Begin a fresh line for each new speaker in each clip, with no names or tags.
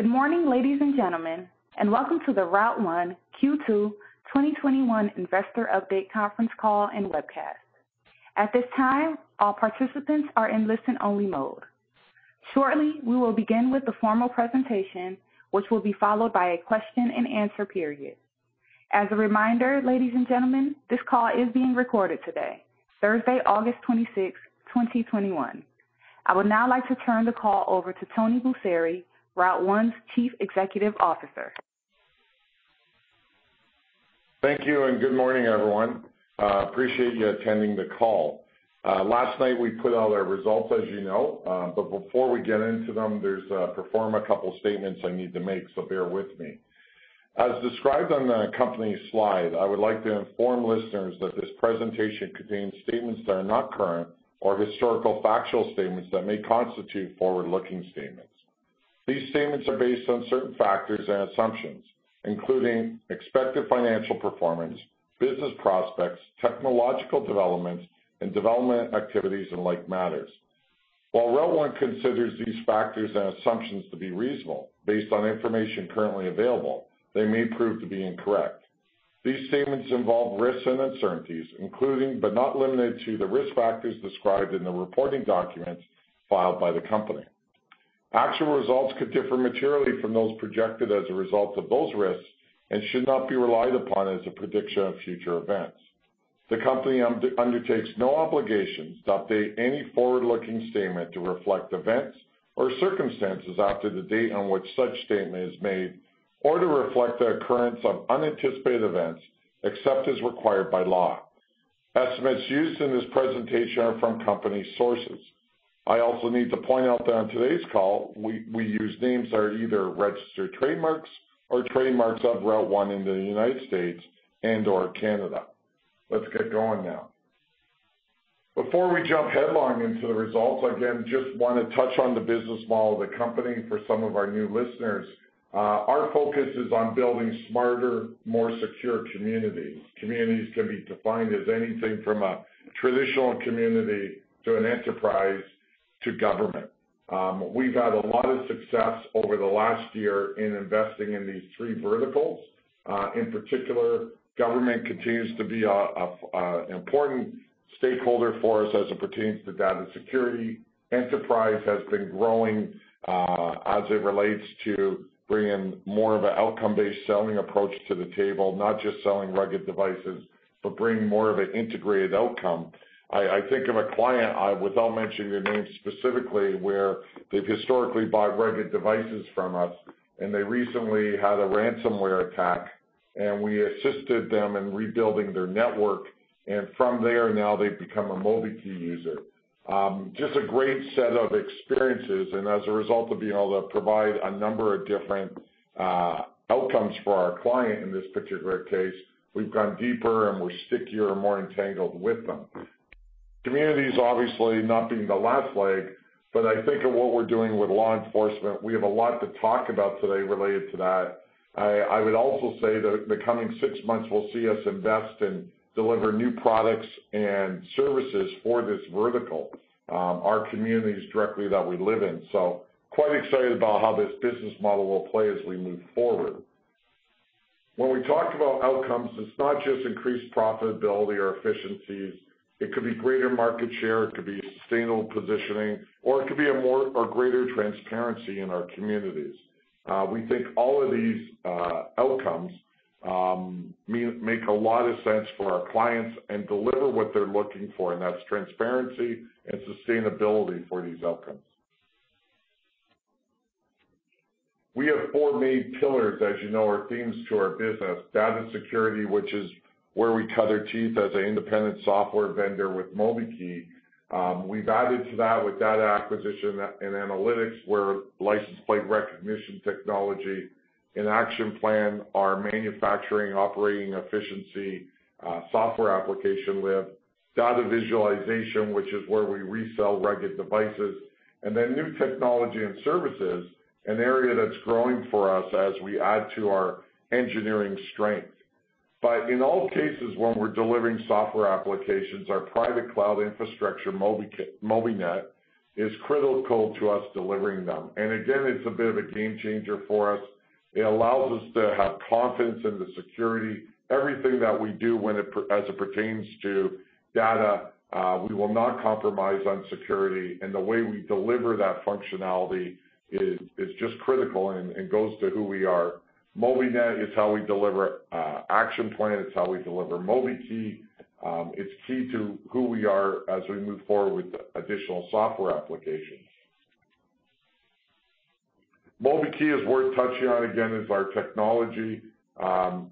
Good morning, ladies and gentlemen, and welcome to the Route1 Q2 2021 Investor Update Conference Call and Webcast. At this time, all participants are in listen-only mode. Shortly, we will begin with the formal presentation which will be followed by the question-and-answer period. As a reminder, ladies and gentlemen, this call is being recorded today, Thursday, August 26, 2021. I would now like to turn the call over to Tony Busseri, Route1's Chief Executive Officer.
Thank you, and good morning, everyone. Appreciate you attending the call. Last night we put out our results, as you know. Before we get into them, there's a couple statements I need to make, so bear with me. As described on the accompanying slide, I would like to inform listeners that this presentation contains statements that are not current, or historical factual statements that may constitute forward-looking statements. These statements are based on certain factors and assumptions, including expected financial performance, business prospects, technological developments, and development activities, and like matters. While Route1 considers these factors and assumptions to be reasonable, based on information currently available, they may prove to be incorrect. These statements involve risks and uncertainties, including, but not limited to, the risk factors described in the reporting documents filed by the company. Actual results could differ materially from those projected as a result of those risks and should not be relied upon as a prediction of future events. The company undertakes no obligation to update any forward-looking statement to reflect events or circumstances after the date on which such statement is made, or to reflect the occurrence of unanticipated events, except as required by law. Estimates used in this presentation are from company sources. I also need to point out that on today's call, we use names that are either registered trademarks or trademarks of Route1 in the United States and/or Canada. Let's get going now. Before we jump headlong into the results, again, just want to touch on the business model of the company for some of our new listeners. Our focus is on building smarter, more secure communities. Communities can be defined as anything from a traditional community to an enterprise to government. We've had a lot of success over the last year in investing in these three verticals. In particular, government continues to be an important stakeholder for us as it pertains to data security. Enterprise has been growing, as it relates to bringing more of an outcome-based selling approach to the table, not just selling rugged devices, but bringing more of an integrated outcome. I think of a client, without mentioning their name specifically, where they've historically bought rugged devices from us, and they recently had a ransomware attack, and we assisted them in rebuilding their network, and from there now they've become a MobiKEY user. Just a great set of experiences, as a result of being able to provide a number of different outcomes for our client in this particular case, we've gone deeper and we're stickier and more entangled with them. Communities obviously not being the last leg, I think of what we're doing with law enforcement. We have a lot to talk about today related to that. I would also say that the coming six months will see us invest and deliver new products and services for this vertical, our communities directly that we live in. Quite excited about how this business model will play as we move forward. When we talk about outcomes, it's not just increased profitability or efficiencies. It could be greater market share, it could be sustainable positioning, it could be a more or greater transparency in our communities. We think all of these outcomes make a lot of sense for our clients and deliver what they're looking for, and that's transparency and sustainability for these outcomes. We have four main pillars, as you know, or themes to our business. Data security, which is where we cut our teeth as an independent software vendor with MobiKEY. We've added to that with data acquisition and analytics where license plate recognition technology and ActionPLAN, our manufacturing operating efficiency software application live. Data visualization, which is where we resell rugged devices. New technology and services, an area that's growing for us as we add to our engineering strength. In all cases, when we're delivering software applications, our private cloud infrastructure, MobiNET, is critical to us delivering them. It's a bit of a game changer for us. It allows us to have confidence in the security. Everything that we do as it pertains to data, we will not compromise on security, and the way we deliver that functionality is just critical and goes to who we are. MobiNET is how we deliver ActionPLAN, it's how we deliver MobiKEY. It's key to who we are as we move forward with additional software applications. MobiKEY is worth touching on again, is our technology.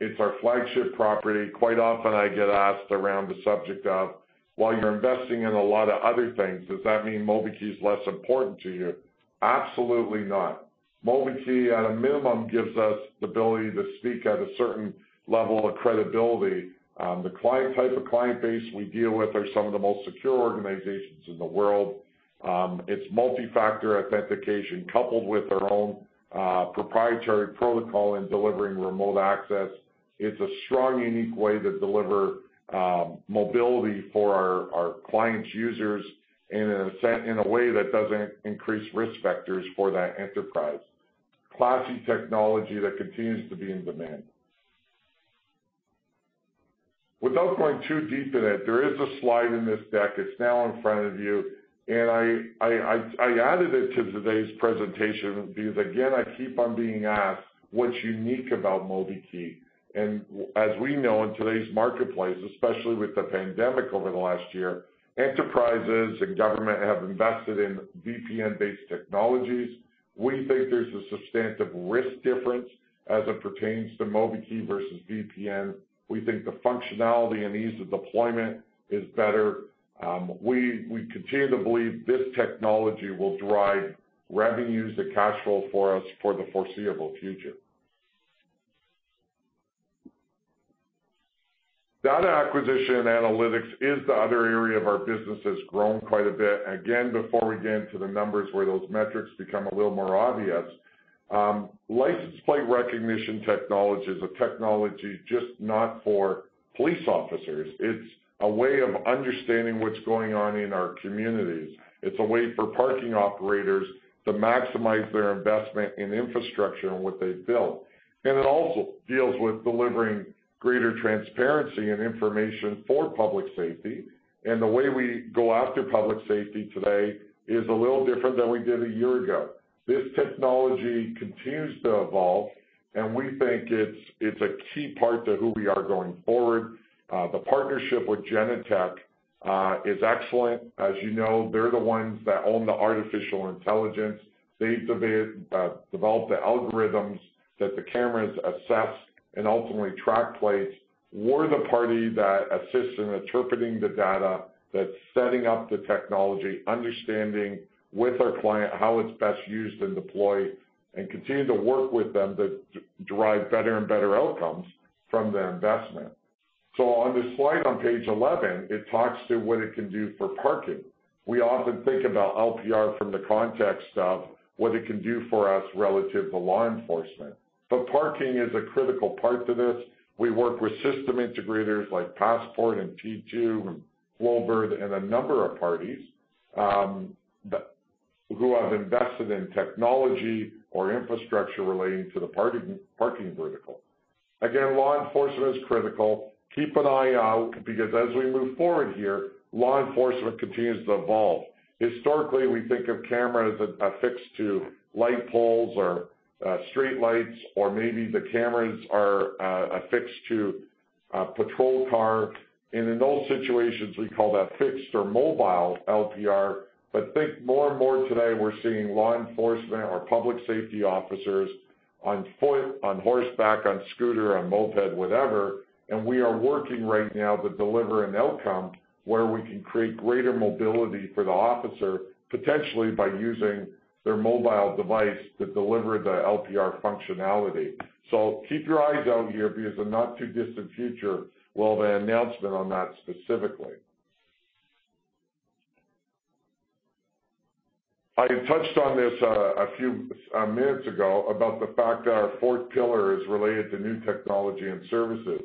It's our flagship property. Quite often I get asked around the subject of, while you're investing in a lot of other things, does that mean MobiKEY is less important to you? Absolutely not. MobiKEY, at a minimum, gives us the ability to speak at a certain level of credibility. The type of client base we deal with are some of the most secure organizations in the world. It's multi-factor authentication coupled with our own proprietary protocol in delivering remote access. It's a strong, unique way to deliver mobility for our clients' users in a way that doesn't increase risk factors for that enterprise. Classy technology that continues to be in demand. Without going too deep in it, there is a slide in this deck, it's now in front of you, and I added it to today's presentation because, again, I keep on being asked what's unique about MobiKEY. As we know, in today's marketplace, especially with the pandemic over the last year, enterprises and government have invested in VPN-based technologies. We think there's a substantive risk difference as it pertains to MobiKEY versus VPN. We think the functionality and ease of deployment is better. We continue to believe this technology will drive revenues and cash flow for us for the foreseeable future. Data acquisition and analytics is the other area of our business that's grown quite a bit. Before we get into the numbers where those metrics become a little more obvious, license plate recognition technology is a technology just not for police officers. It's a way of understanding what's going on in our communities. It's a way for parking operators to maximize their investment in infrastructure and what they've built. It also deals with delivering greater transparency and information for public safety. The way we go after public safety today is a little different than we did a year ago. This technology continues to evolve, and we think it's a key part to who we are going forward. The partnership with Genetec is excellent. As you know, they're the ones that own the artificial intelligence. They've developed the algorithms that the cameras assess and ultimately track plates. We're the party that assists in interpreting the data, that's setting up the technology, understanding with our client how it's best used and deployed, and continue to work with them to derive better and better outcomes from their investment. On this slide on page 11, it talks to what it can do for parking. We often think about LPR from the context of what it can do for us relative to law enforcement. Parking is a critical part to this. We work with system integrators like Passport, and T2, and Flowbird, and a number of parties who have invested in technology or infrastructure relating to the parking vertical. Again, law enforcement is critical. Keep an eye out, because as we move forward here, law enforcement continues to evolve. Historically, we think of cameras that are affixed to light poles or streetlights, or maybe the cameras are affixed to a patrol car. In those situations, we call that fixed or mobile LPR. Think more and more today we're seeing law enforcement or public safety officers on foot, on horseback, on scooter, on moped, whatever. We are working right now to deliver an outcome where we can create greater mobility for the officer, potentially by using their mobile device to deliver the LPR functionality. Keep your eyes out here. In the not too distant future we'll have an announcement on that specifically. I touched on this a few minutes ago about the fact that our fourth pillar is related to new technology and services.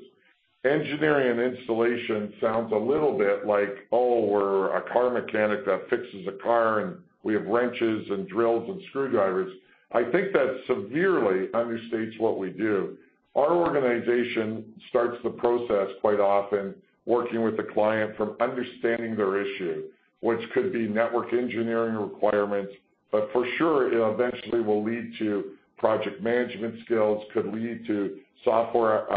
Engineering and installation sounds a little bit like, oh, we're a car mechanic that fixes a car, and we have wrenches and drills and screwdrivers. I think that severely understates what we do. Our organization starts the process quite often working with the client from understanding their issue, which could be network engineering requirements, but for sure it eventually will lead to project management skills, could lead to software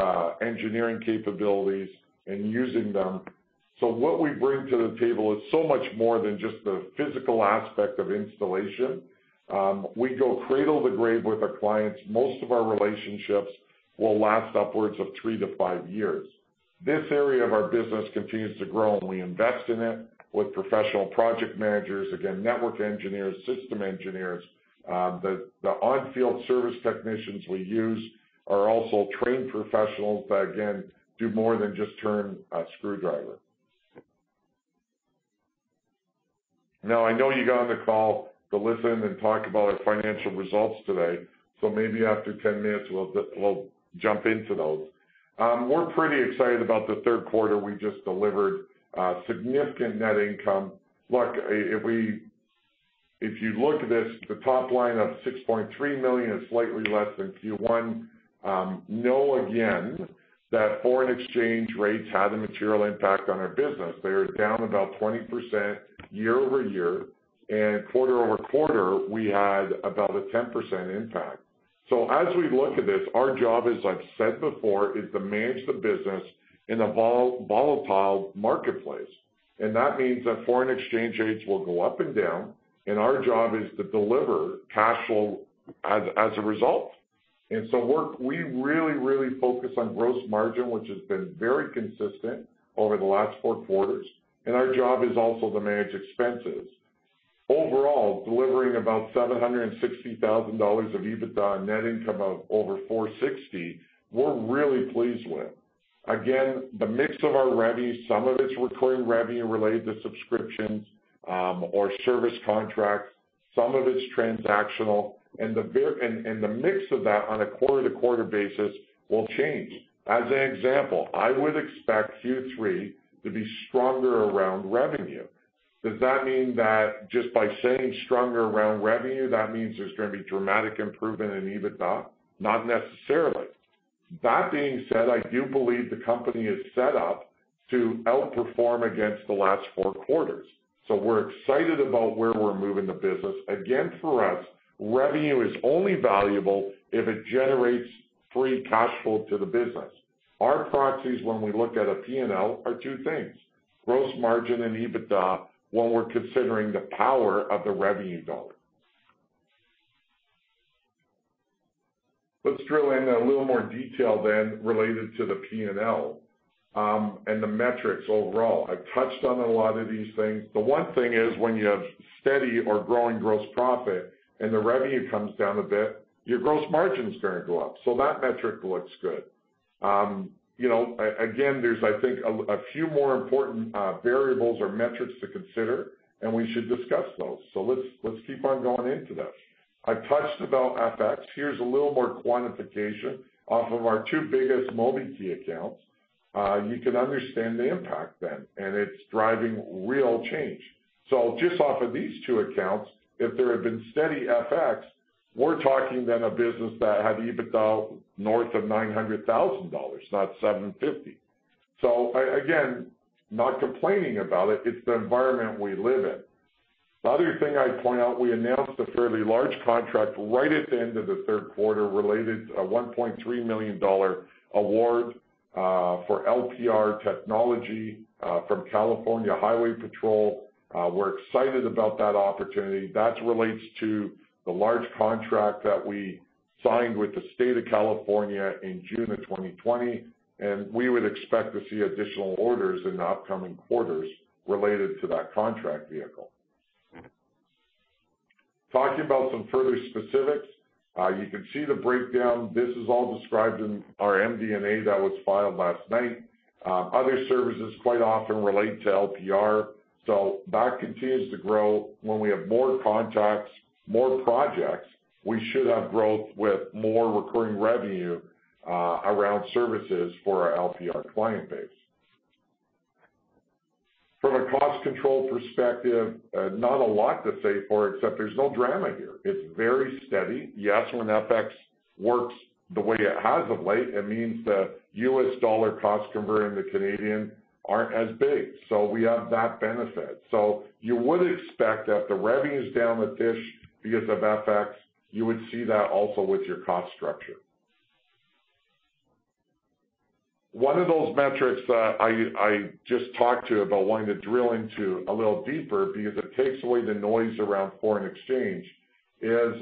engineering capabilities and using them. What we bring to the table is so much more than just the physical aspect of installation. We go cradle to grave with our clients. Most of our relationships will last upwards of three to five years. This area of our business continues to grow. We invest in it with professional project managers, again, network engineers, system engineers. The on-field service technicians we use are also trained professionals that, again, do more than just turn a screwdriver. I know you got on the call to listen and talk about our financial results today. Maybe after 10 minutes, we'll jump into those. We're pretty excited about the third quarter. We just delivered significant net income. Look, if you look at this, the top line of 6.3 million is slightly less than Q1. Know again that foreign exchange rates had a material impact on our business. They are down about 20% year-over-year, and quarter-over-quarter, we had about a 10% impact. As we look at this, our job, as I've said before, is to manage the business in a volatile marketplace. That means that foreign exchange rates will go up and down, and our job is to deliver cash flow as a result. We really, really focus on gross margin, which has been very consistent over the last four quarters, and our job is also to manage expenses. Overall, delivering about 760,000 dollars of EBITDA and net income of over 460, we're really pleased with. Again, the mix of our revenue, some of it's recurring revenue related to subscriptions or service contracts, some of it's transactional, and the mix of that on a quarter-to-quarter basis will change. As an example, I would expect Q3 to be stronger around revenue. Does that mean that just by saying stronger around revenue, that means there's going to be dramatic improvement in EBITDA? Not necessarily. That being said, I do believe the company is set up to outperform against the last four quarters. We're excited about where we're moving the business. For us, revenue is only valuable if it generates free cash flow to the business. Our proxies, when we look at a P&L, are two things, gross margin and EBITDA, when we're considering the power of the revenue dollar. Let's drill in a little more detail related to the P&L and the metrics overall. I've touched on a lot of these things. The one thing is when you have steady or growing gross profit and the revenue comes down a bit, your gross margin is going to go up. That metric looks good. There's I think, a few more important variables or metrics to consider, and we should discuss those. Let's keep on going into this. I've touched about FX. Here's a little more quantification off of our two biggest MobiKEY accounts. You can understand the impact then, and it's driving real change. Just off of these two accounts, if there had been steady FX, we're talking then a business that had EBITDA north of 900,000 dollars, not 750,000. Again, not complaining about it's the environment we live in. The other thing I'd point out, we announced a fairly large contract right at the end of the third quarter related to a 1.3 million dollar award for LPR technology from California Highway Patrol. We're excited about that opportunity. That relates to the large contract that we signed with the State of California in June of 2020, and we would expect to see additional orders in the upcoming quarters related to that contract vehicle. Talking about some further specifics. You can see the breakdown. This is all described in our MD&A that was filed last night. Other services quite often relate to LPR. That continues to grow. When we have more contacts, more projects, we should have growth with more recurring revenue around services for our LPR client base. From a cost control perspective, not a lot to say for it except there's no drama here. It's very steady. Yes, when FX works the way it has of late, it means that US dollar cost converting to Canadian aren't as big. We have that benefit. You would expect that the revenue is down a touch because of FX, you would see that also with your cost structure. One of those metrics that I just talked to you about wanting to drill into a little deeper because it takes away the noise around foreign exchange is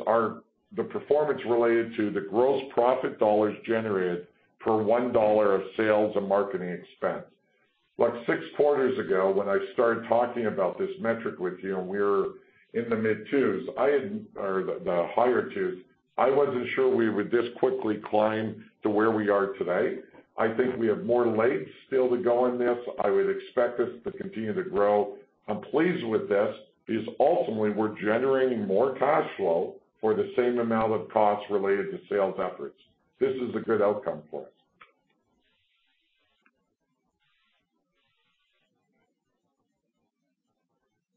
the performance related to the gross profit CAD generated per 1 dollar of sales and marketing expense. Like six quarters ago, when I started talking about this metric with you and we were in the mid 2s or the higher 2s, I wasn't sure we would this quickly climb to where we are today. I think we have more legs still to go in this. I would expect this to continue to grow. I'm pleased with this because ultimately we're generating more cash flow for the same amount of costs related to sales efforts. This is a good outcome for us.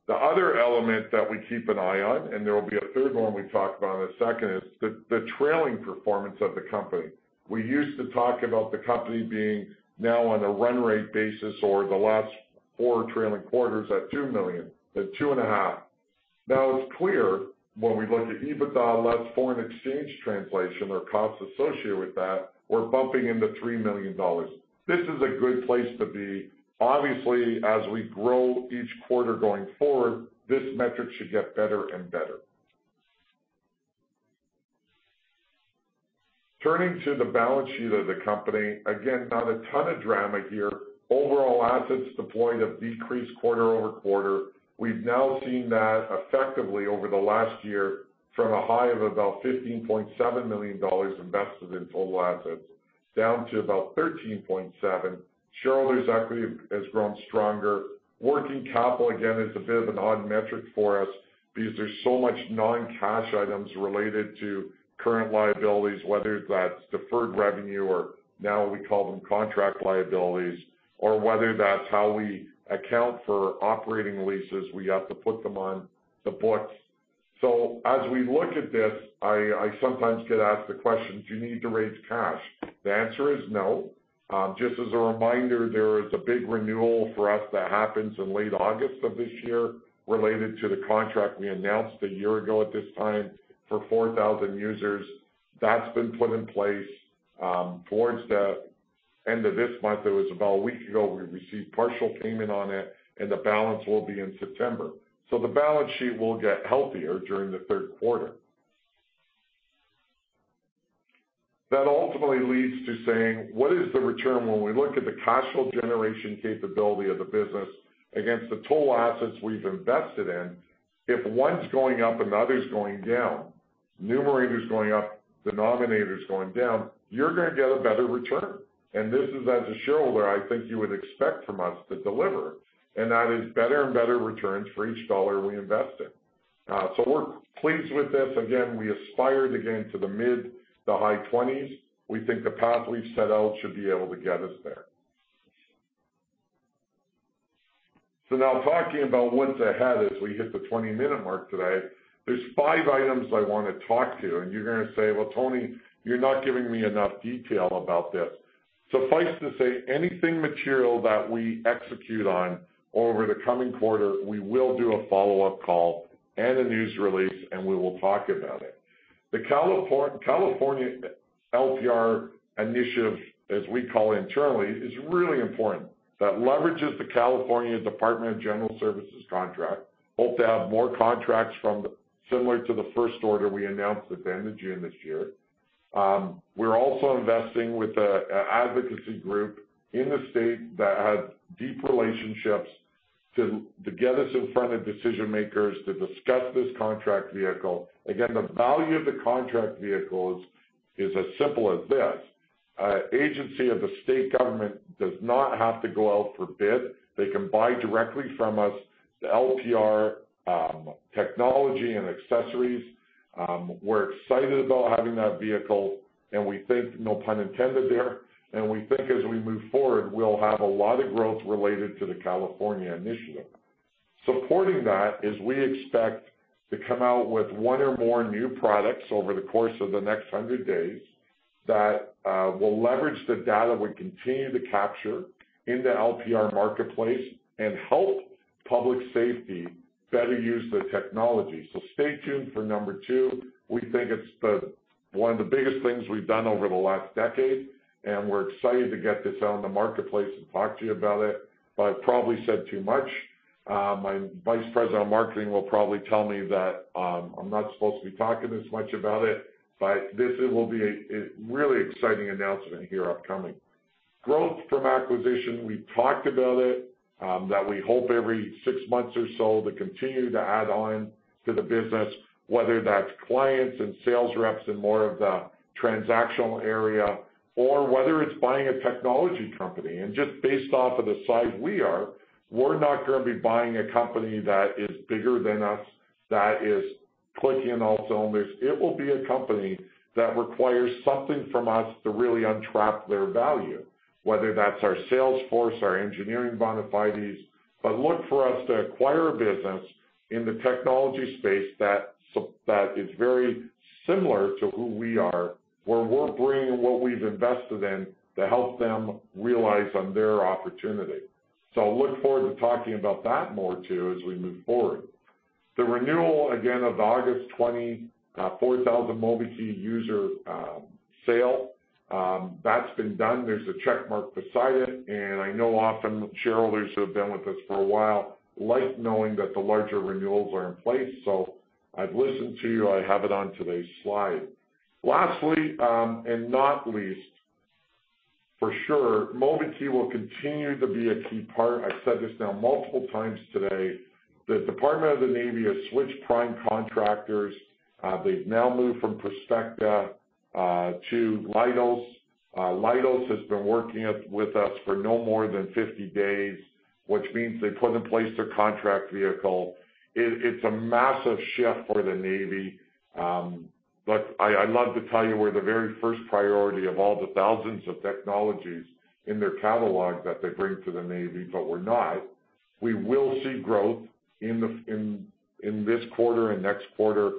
The other element that we keep an eye on, and there will be a third one we talk about in a second, is the trailing performance of the company. We used to talk about the company being now on a run rate basis or the last four trailing quarters at 2 million, at 2.5 million. Now it's clear when we look at EBITDA less foreign exchange translation or costs associated with that, we're bumping into 3 million dollars. This is a good place to be. As we grow each quarter going forward, this metric should get better and better. Turning to the balance sheet of the company. Not a ton of drama here. Overall assets deployed have decreased quarter-over-quarter. We've now seen that effectively over the last year from a high of about 15.7 million dollars invested in total assets down to about 13.7 million. Shareholders' equity has grown stronger. Working capital, again, is a bit of an odd metric for us because there's so much non-cash items related to current liabilities, whether that's deferred revenue or now we call them contract liabilities, or whether that's how we account for operating leases, we have to put them on the books. As we look at this, I sometimes get asked the question, do you need to raise cash? The answer is no. Just as a reminder, there is a big renewal for us that happens in late August of this year related to the contract we announced a year ago at this time for 4,000 users. That's been put in place towards the end of this month. It was about a week ago, we received partial payment on it, and the balance will be in September. The balance sheet will get healthier during the third quarter. That ultimately leads to saying, what is the return when we look at the cash flow generation capability of the business against the total assets we've invested in? If one's going up and the other's going down, numerator's going up, denominator's going down, you're going to get a better return. This is as a shareholder, I think you would expect from us to deliver, and that is better and better returns for each CAD we invested. We're pleased with this. Again, we aspired again to the mid to high 20%s. We think the path we've set out should be able to get us there. Now talking about what's ahead as we hit the 20-minute mark today, there's five items I want to talk to, and you're going to say, "Well, Tony, you're not giving me enough detail about this." Suffice to say, anything material that we execute on over the coming quarter, we will do a follow-up call and a news release, and we will talk about it. The California LPR Initiative, as we call it internally, is really important. That leverages the California Department of General Services contract. Hope to have more contracts similar to the first order we announced at the end of June this year. We're also investing with an advocacy group in the state that has deep relationships to get us in front of decision-makers to discuss this contract vehicle. Again, the value of the contract vehicles is as simple as this. An agency of the state government does not have to go out for bid. They can buy directly from us the LPR technology and accessories. We're excited about having that vehicle and we think, no pun intended there, as we move forward, we'll have a lot of growth related to the California initiative. Supporting that is we expect to come out with one or more new products over the course of the next 100 days that will leverage the data we continue to capture in the LPR marketplace and help public safety better use the technology. Stay tuned for number two. We think it's one of the biggest things we've done over the last decade, and we're excited to get this out in the marketplace and talk to you about it. I've probably said too much. My vice president of marketing will probably tell me that I'm not supposed to be talking this much about it, but this will be a really exciting announcement here upcoming. Growth from acquisition, we've talked about it, that we hope every six months or so to continue to add on to the business, whether that's clients and sales reps and more of the transactional area or whether it's buying a technology company. Just based off of the size we are, we're not going to be buying a company that is bigger than us, that is clicking all cylinders. It will be a company that requires something from us to really unlock their value, whether that's our sales force, our engineering bona fides. Look for us to acquire a business in the technology space that is very similar to who we are, where we're bringing what we've invested in to help them realize on their opportunity. Look forward to talking about that more too as we move forward. The renewal, again, of the August 20, 4,000 MobiKEY user sale, that's been done. There's a check mark beside it. I know often shareholders who have been with us for a while like knowing that the larger renewals are in place. I've listened to you. I have it on today's slide. Lastly and not least, for sure, MobiKEY will continue to be a key part, I've said this now multiple times today. The Department of the Navy has switched prime contractors. They've now moved from Perspecta to Leidos. Leidos has been working with us for no more than 50 days, which means they put in place their contract vehicle. It's a massive shift for the Navy. I'd love to tell you we're the very first priority of all the thousands of technologies in their catalog that they bring to the Navy, but we're not. We will see growth in this quarter and next quarter,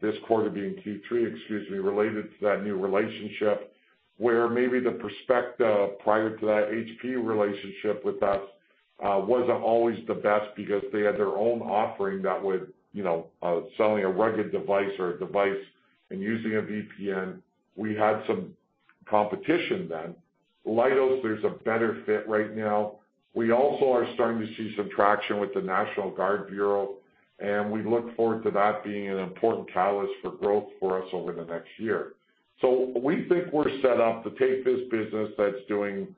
this quarter being Q3 related to that new relationship where maybe the Perspecta prior to that HP relationship with us wasn't always the best because they had their own offering that would, selling a rugged device or a device and using a VPN. We had some competition then. Leidos, there's a better fit right now. We also are starting to see some traction with the National Guard Bureau, and we look forward to that being an important catalyst for growth for us over the next year. We think we're set up to take this business that's doing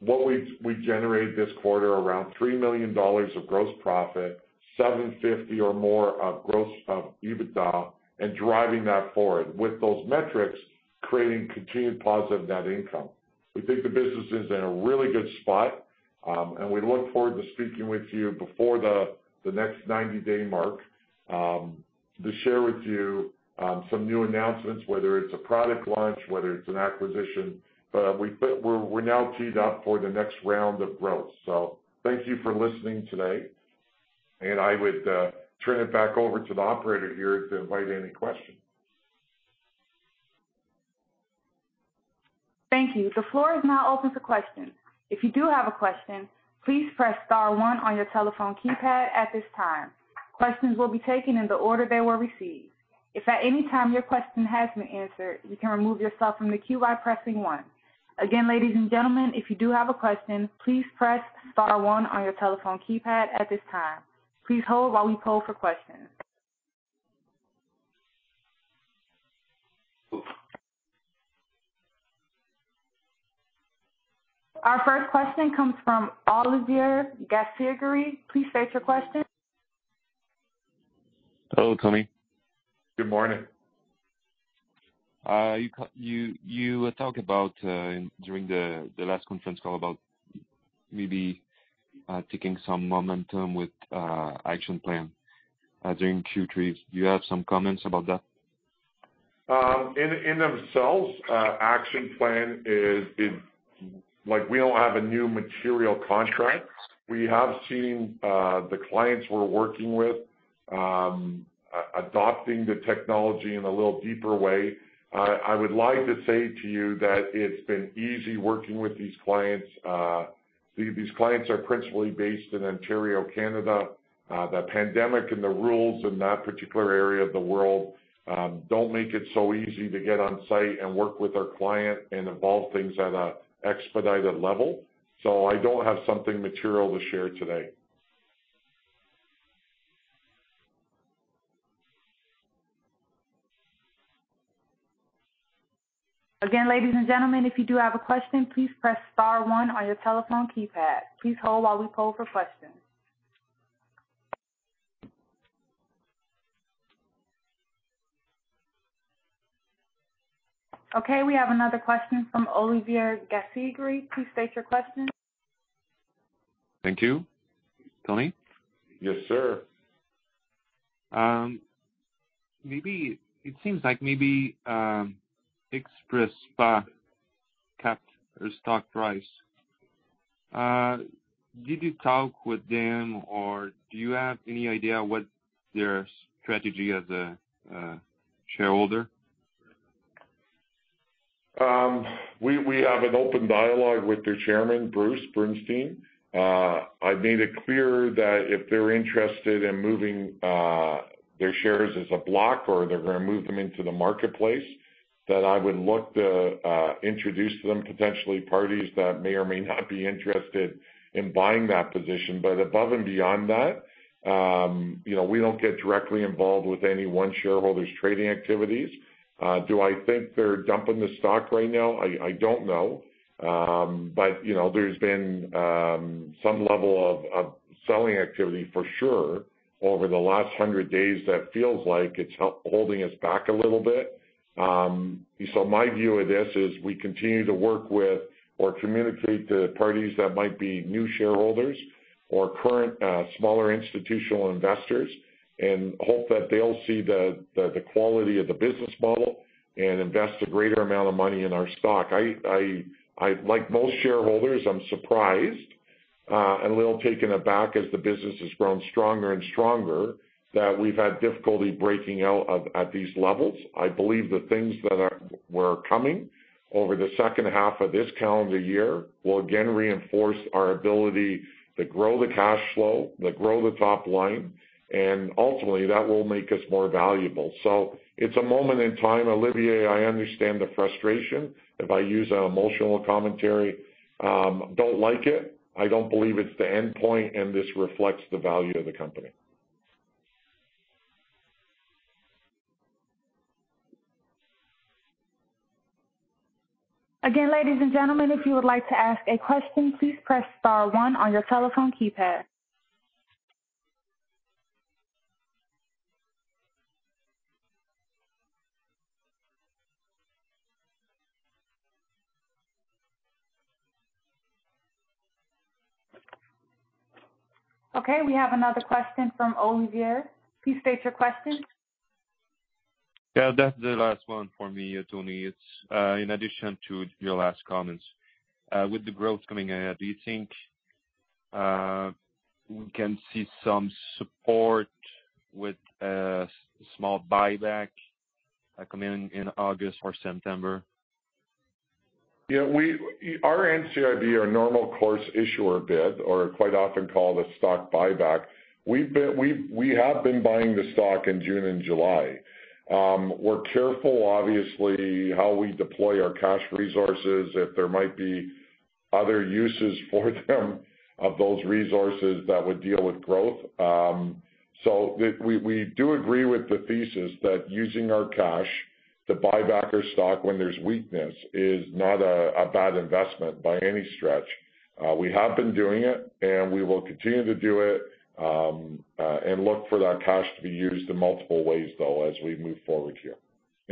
what we generated this quarter, around 3 million dollars of gross profit, 750 or more of gross EBITDA, and driving that forward with those metrics, creating continued positive net income. We think the business is in a really good spot, we look forward to speaking with you before the next 90-day mark to share with you some new announcements, whether it's a product launch, whether it's an acquisition. We're now teed up for the next round of growth. Thank you for listening today. I would turn it back over to the operator here to invite any questions.
Thank you. The floor is now open for questions. If you do have a question, please press star one on your telephone keypad at this time. Questions will be taken in the order they were received. If at any time your question has been answered, you can remove yourself from the queue by pressing one. Again, ladies and gentlemen, if you do have a question, please press star one on your telephone keypad at this time. Please hold while we poll for questions. Our first question comes from Olivier [Gasse Guigère]. Please state your question.
Hello, Tony.
Good morning.
You talked during the last conference call about maybe taking some momentum with ActionPLAN during Q3. Do you have some comments about that?
In themselves, ActionPLAN is like we don't have a new material contract. We have seen the clients we're working with adopting the technology in a little deeper way. I would like to say to you that it's been easy working with these clients. These clients are principally based in Ontario, Canada. The pandemic and the rules in that particular area of the world don't make it so easy to get on site and work with our client and evolve things at an expedited level. I don't have something material to share today.
Again, ladies and gentlemen, if you do have a question, please press star one on your telephone keypad. Okay, we have another question from Olivier [Gasse Guigère]. Please state your question.
Thank you. Tony?
Yes, sir.
It seems like maybe XpresSpa capped their stock price. Did you talk with them, or do you have any idea what their strategy as a shareholder?
We have an open dialogue with their chairman, Bruce Bernstein. I've made it clear that if they're interested in moving their shares as a block or they're going to move them into the marketplace, that I would look to introduce them, potentially, parties that may or may not be interested in buying that position. Above and beyond that, we don't get directly involved with any one shareholder's trading activities. Do I think they're dumping the stock right now? I don't know. There's been some level of selling activity for sure over the last 100 days that feels like it's holding us back a little bit. My view of this is we continue to work with or communicate to parties that might be new shareholders or current smaller institutional investors and hope that they'll see the quality of the business model and invest a greater amount of money in our stock. Like most shareholders, I'm surprised and a little taken aback as the business has grown stronger and stronger that we've had difficulty breaking out at these levels. I believe the things that were coming over the second half of this calendar year will again reinforce our ability to grow the cash flow, to grow the top line, and ultimately, that will make us more valuable. It's a moment in time, Olivier. I understand the frustration. If I use an emotional commentary, don't like it, I don't believe it's the endpoint, and this reflects the value of the company.
Again, ladies and gentlemen, if you would like to ask a question, please press star one on your telephone keypad. Okay, we have another question from Olivier. Please state your question.
Yeah, that's the last one for me, Tony. It's in addition to your last comments. With the growth coming ahead, do you think we can see some support with a small buyback coming in August or September?
Our NCIB, our normal course issuer bid, or quite often called a stock buyback. We have been buying the stock in June and July. We're careful, obviously, how we deploy our cash resources if there might be other uses for them of those resources that would deal with growth. We do agree with the thesis that using our cash to buy back our stock when there's weakness is not a bad investment by any stretch. We have been doing it, and we will continue to do it, and look for that cash to be used in multiple ways, though, as we move forward here.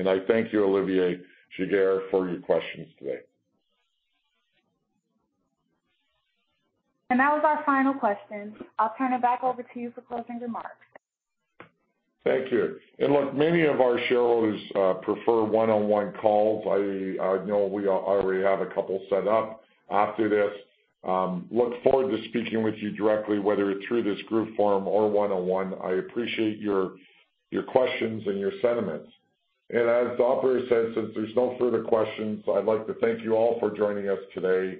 I thank you, Olivier [Giguère], for your questions today.
That was our final question. I'll turn it back over to you for closing remarks.
Thank you. Look, many of our shareholders prefer one-on-one calls. I know I already have a couple set up after this. Look forward to speaking with you directly, whether through this group forum or one-on-one. I appreciate your questions and your sentiments. As the operator said, since there's no further questions, I'd like to thank you all for joining us today.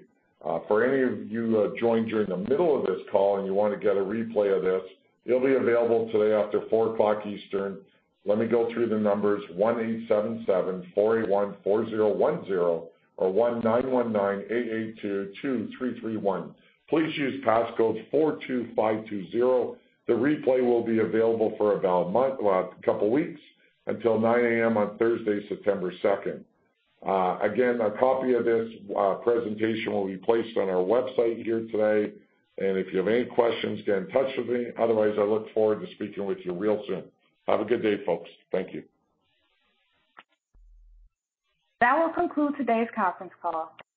For any of you who have joined during the middle of this call and you want to get a replay of this, it'll be available today after 4:00 P.M. Eastern. Let me go through the numbers, 1-877-481-4010 or 1919-882-2331. Please use passcode 42520. The replay will be available for about a couple of weeks until 9:00 A.M. on Thursday, September 2nd. Again, a copy of this presentation will be placed on our website here today. If you have any questions, get in touch with me. Otherwise, I look forward to speaking with you real soon. Have a good day, folks. Thank you.
That will conclude today's conference call.